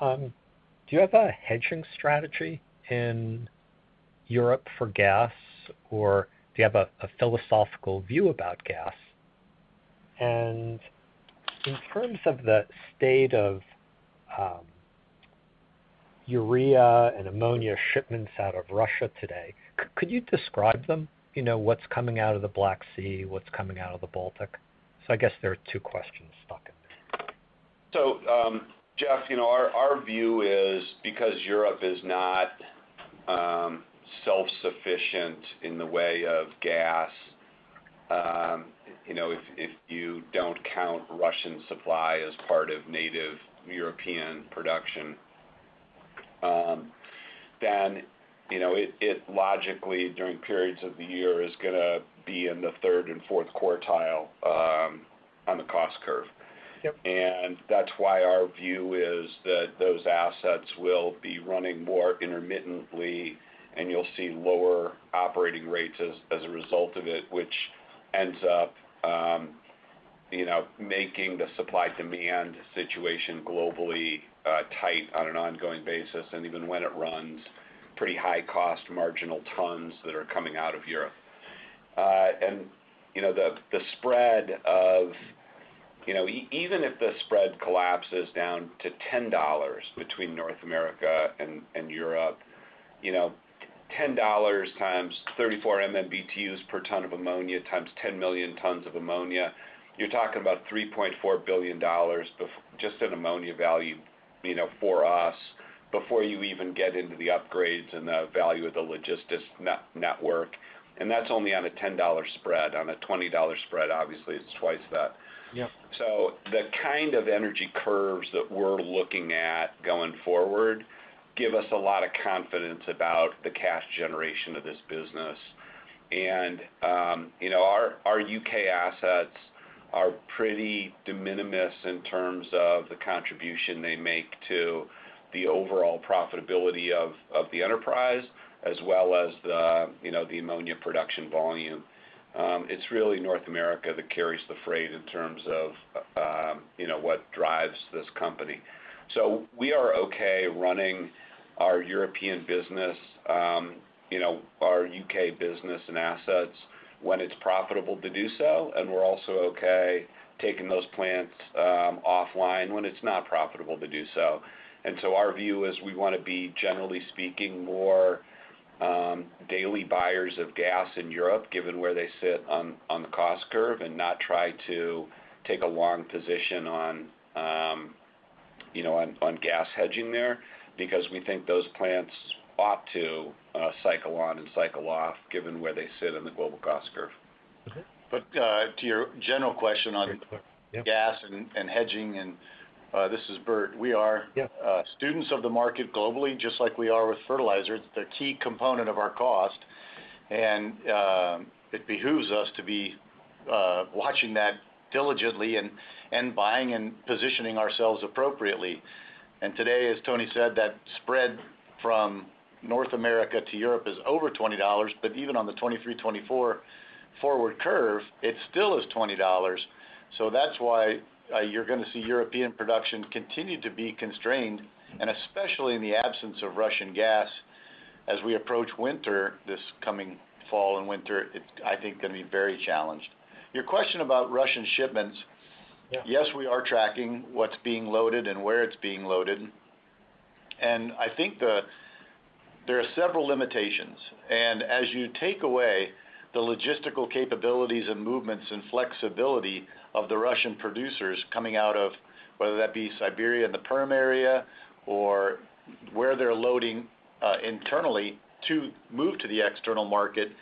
Do you have a hedging strategy in Europe for gas, or do you have a philosophical view about gas? In terms of the state of urea and ammonia shipments out of Russia today, could you describe them? You know, what's coming out of the Black Sea, what's coming out of the Baltic. I guess there are two questions stuck in there. Jeff, you know, our view is because Europe is not self-sufficient in the way of gas, you know, if you don't count Russian supply as part of native European production, then, you know, it logically, during periods of the year, is gonna be in the third and fourth quartile on the cost curve. Yep. That's why our view is that those assets will be running more intermittently, and you'll see lower operating rates as a result of it, which ends up, you know, making the supply-demand situation globally tight on an ongoing basis. Even when it runs pretty high cost marginal tons that are coming out of Europe. You know, the spread. You know, even if the spread collapses down to $10 between North America and Europe, you know, $10 times 34 MMBtu per ton of ammonia times 10 million tons of ammonia, you're talking about $3.4 billion just in ammonia value, you know, for us before you even get into the upgrades and the value of the logistics network. That's only on a $10 spread. On a $20 spread, obviously it's twice that. Yeah. The kind of energy curves that we're looking at going forward give us a lot of confidence about the cash generation of this business. Our U.K. assets are pretty de minimis in terms of the contribution they make to the overall profitability of the enterprise as well as the, you know, the ammonia production volume. It's really North America that carries the freight in terms of, you know, what drives this company. We are okay running our European business, our U.K. business and assets when it's profitable to do so, and we're also okay taking those plants, offline when it's not profitable to do so. Our view is we wanna be, generally speaking, more daily buyers of gas in Europe, given where they sit on the cost curve and not try to take a long position on, you know, on gas hedging there because we think those plants ought to cycle on and cycle off given where they sit in the global cost curve. Okay. To your general question on gas and hedging, this is Bert. Yeah. We are students of the market globally, just like we are with fertilizer. It's the key component of our cost, and it behooves us to be watching that diligently and buying and positioning ourselves appropriately. Today, as Tony said, that spread from North America to Europe is over $20. Even on the 2023-2024 forward curve, it still is $20. That's why you're gonna see European production continue to be constrained, and especially in the absence of Russian gas. As we approach winter this coming fall and winter, it, I think, gonna be very challenged. Your question about Russian shipments. Yeah. Yes, we are tracking what's being loaded and where it's being loaded. I think there are several limitations. As you take away the logistical capabilities and movements and flexibility of the Russian producers coming out of, whether that be Siberia and the Perm area or where they're loading internally to move to the external market,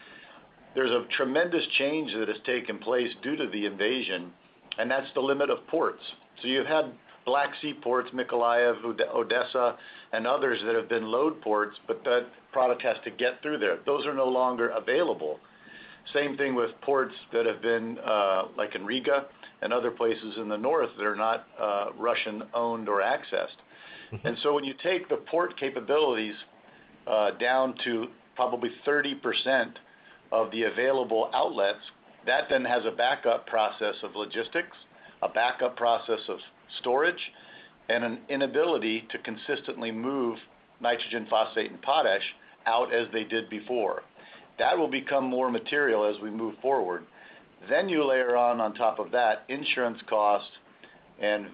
there's a tremendous change that has taken place due to the invasion, and that's the limit of ports. You've had Black Sea ports, Mykolaiv, Odessa, and others that have been load ports, but that product has to get through there. Those are no longer available. Same thing with ports that have been like in Riga and other places in the north that are not Russian-owned or accessed. When you take the port capabilities down to probably 30% of the available outlets, that then has a backup process of logistics, a backup process of storage, and an inability to consistently move nitrogen phosphate and potash out as they did before. That will become more material as we move forward. You layer on top of that insurance costs and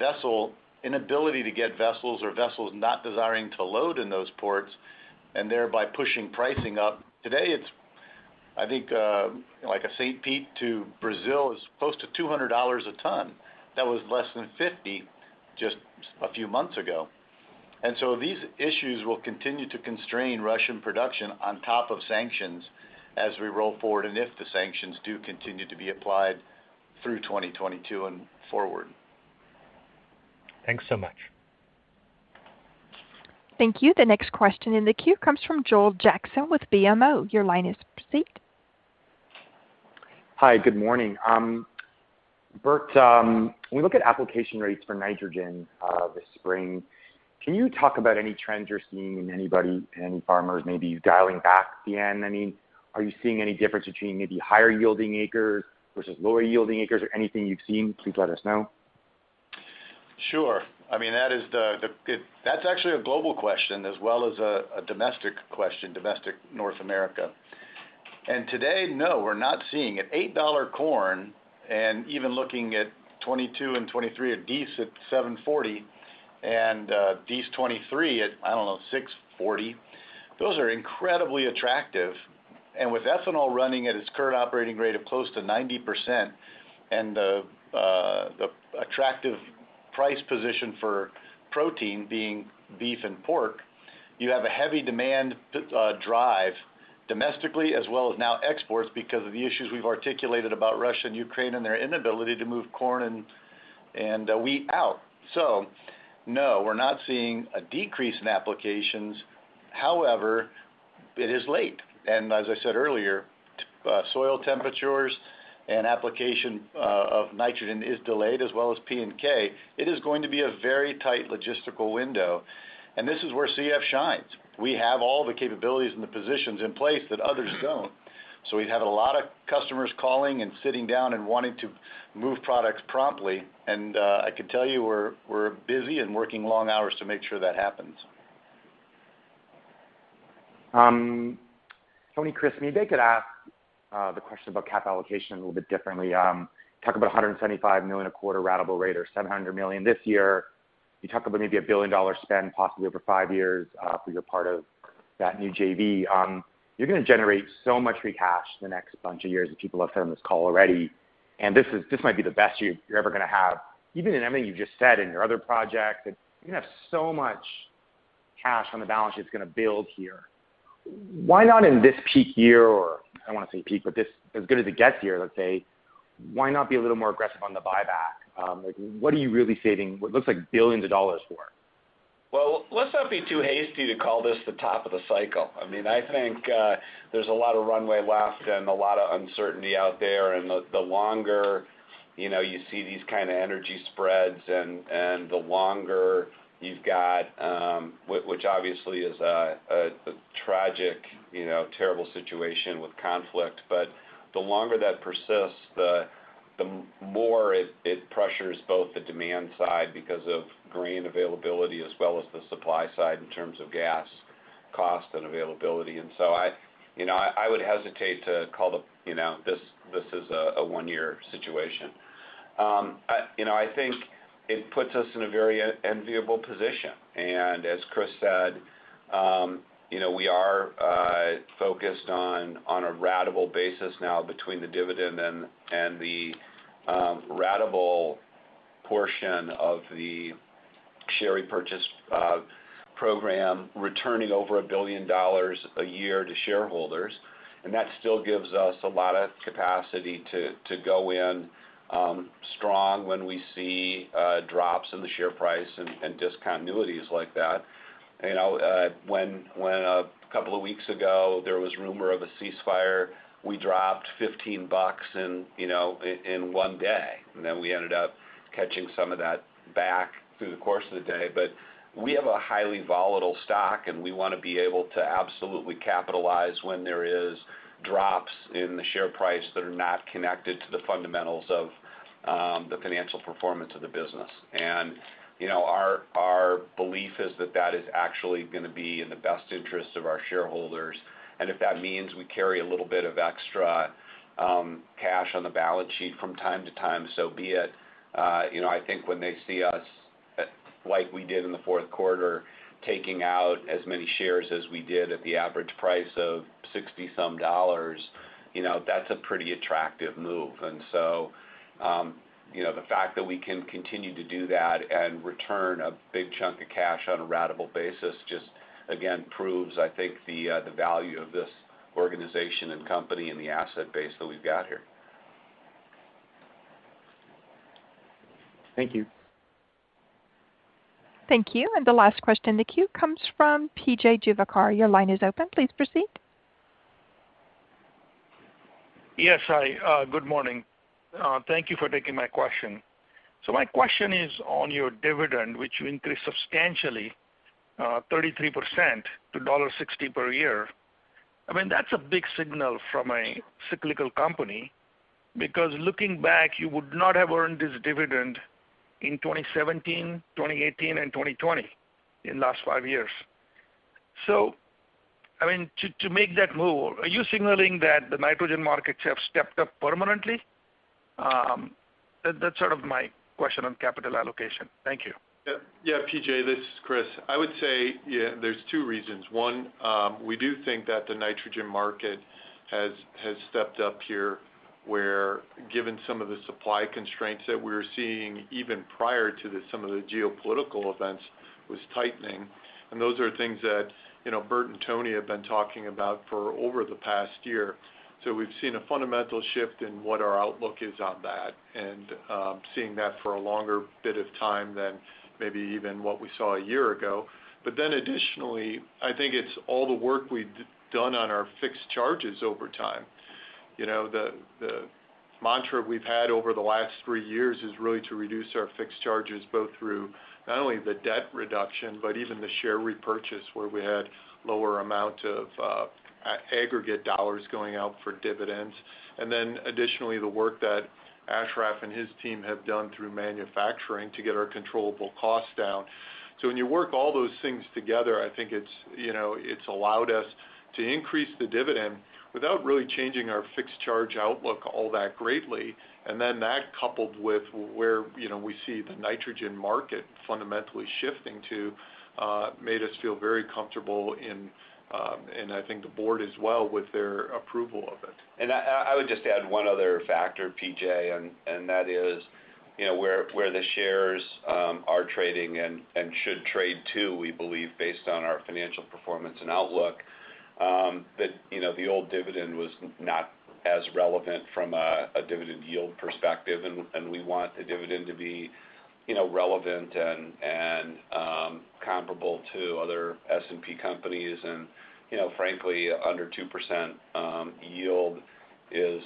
inability to get vessels or vessels not desiring to load in those ports and thereby pushing pricing up. Today, it's, I think, like a St. Pete to Brazil is close to $200 a ton. That was less than $50 just a few months ago. These issues will continue to constrain Russian production on top of sanctions as we roll forward and if the sanctions do continue to be applied through 2022 and forward. Thanks so much. Thank you. The next question in the queue comes from Joel Jackson with BMO. Your line is received. Hi, good morning. Bert, when we look at application rates for nitrogen, this spring, can you talk about any trends you're seeing, anybody, any farmers maybe dialing back the N? I mean, are you seeing any difference between maybe higher yielding acres versus lower yielding acres or anything you've seen, please let us know. Sure. I mean, that is that's actually a global question as well as a domestic question, domestic North America. Today, no, we're not seeing it. $8 corn, and even looking at 2022 and 2023, at Dec at $7.40 and Dec 2023 at, I don't know, $6.40, those are incredibly attractive. With ethanol running at its current operating rate of close to 90% and the attractive price position for protein being beef and pork, you have a heavy demand drive domestically as well as now exports because of the issues we've articulated about Russia and Ukraine and their inability to move corn and wheat out. No, we're not seeing a decrease in applications. However, it is late, and as I said earlier, soil temperatures and application of nitrogen is delayed, as well as P&K. It is going to be a very tight logistical window, and this is where CF shines. We have all the capabilities and the positions in place that others don't. We've had a lot of customers calling and sitting down and wanting to move products promptly, and I can tell you we're busy and working long hours to make sure that happens. Tony, Chris, maybe I could ask the question about cap allocation a little bit differently. Talk about $175 million a quarter ratable rate or $700 million this year. You talk about maybe a billion-dollar spend possibly over 5 years for your part of that new JV. You're gonna generate so much free cash the next bunch of years, and people have heard on this call already. This might be the best you're ever gonna have. Even in everything you've just said in your other projects, you have so much cash on the balance sheet it's gonna build here. Why not in this peak year, or I don't wanna say peak, but this as good as it gets here, let's say, why not be a little more aggressive on the buyback? Like what are you really saving, what looks like $ billions for? Well, let's not be too hasty to call this the top of the cycle. I mean, I think there's a lot of runway left and a lot of uncertainty out there. The longer you know you see these kinda energy spreads and the longer you've got, which obviously is a tragic you know terrible situation with conflict. The longer that persists, the more it pressures both the demand side because of grain availability as well as the supply side in terms of gas cost and availability. I you know I would hesitate to call you know this is a one-year situation. I you know I think it puts us in a very enviable position. As Chris said, you know, we are focused on a ratable basis now between the dividend and the ratable portion of the share repurchase program returning over $1 billion a year to shareholders. That still gives us a lot of capacity to go in strong when we see drops in the share price and discontinuities like that. You know, when a couple of weeks ago, there was rumor of a ceasefire, we dropped $15 in, you know, in one day. Then we ended up catching some of that back through the course of the day. We have a highly volatile stock, and we wanna be able to absolutely capitalize when there is drops in the share price that are not connected to the fundamentals of, the financial performance of the business. You know, our belief is that that is actually gonna be in the best interest of our shareholders. If that means we carry a little bit of extra cash on the balance sheet from time to time, so be it. You know, I think when they see us, like we did in the fourth quarter, taking out as many shares as we did at the average price of $60-some, you know, that's a pretty attractive move. You know, the fact that we can continue to do that and return a big chunk of cash on a ratable basis just again proves, I think the value of this organization and company and the asset base that we've got here. Thank you. Thank you. The last question in the queue comes from P.J. Juvekar. Your line is open. Please proceed. Yes, hi. Good morning. Thank you for taking my question. My question is on your dividend, which you increased substantially, 33% to $1.60 per year. I mean, that's a big signal from a cyclical company because looking back, you would not have earned this dividend in 2017, 2018 and 2020, in the last five years. I mean, to make that move, are you signaling that the nitrogen markets have stepped up permanently? That's sort of my question on capital allocation. Thank you. Yeah, PJ, this is Chris. I would say, yeah, there's two reasons. One, we do think that the nitrogen market has stepped up here, where given some of the supply constraints that we're seeing, even prior to some of the geopolitical events, was tightening. Those are things that, you know, Bert and Tony have been talking about for over the past year. We've seen a fundamental shift in what our Outlook is on that. Seeing that for a longer bit of time than maybe even what we saw a year ago. Additionally, I think it's all the work we've done on our fixed charges over time. You know, the mantra we've had over the last three years is really to reduce our fixed charges both through not only the debt reduction, but even the share repurchase, where we had lower amount of aggregate dollars going out for dividends. Additionally, the work that Ash S. and his team have done through manufacturing to get our controllable costs down. When you work all those things together, I think it's, you know, it's allowed us to increase the dividend without really changing our fixed charge outlook all that greatly. That coupled with where, you know, we see the nitrogen market fundamentally shifting to made us feel very comfortable in, and I think the board as well with their approval of it. I would just add one other factor, P.J., and that is, you know, where the shares are trading and should trade too, we believe, based on our financial performance and outlook. You know, the old dividend was not as relevant from a dividend yield perspective. We want the dividend to be, you know, relevant and comparable to other S&P companies. You know, frankly, under 2% yield is,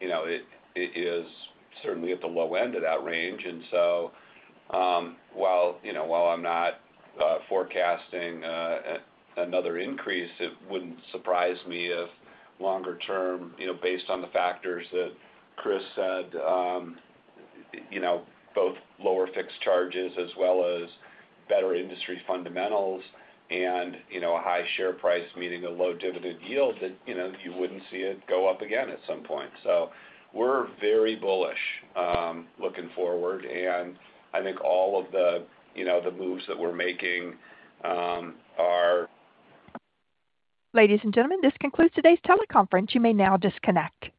you know, it is certainly at the low end of that range. While, you know, I'm not forecasting another increase, it wouldn't surprise me if longer term, you know, based on the factors that Chris said, you know, both lower fixed charges as well as better industry fundamentals and, you know, a high share price meeting a low dividend yield, that, you know, you wouldn't see it go up again at some point. We're very bullish looking forward. I think all of the, you know, the moves that we're making are- Ladies and gentlemen, this concludes today's teleconference. You may now disconnect.